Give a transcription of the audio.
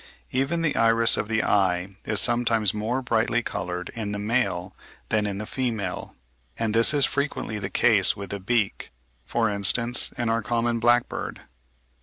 Even the iris of the eye is sometimes more brightly coloured in the male than in the female; and this is frequently the case with the beak, for instance, in our common blackbird.